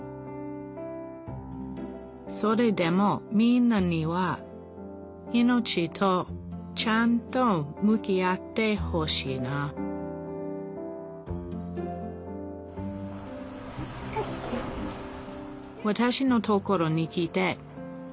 それでもみんなには命とちゃんと向き合ってほしいなわたしのところに来て１３日目のコウです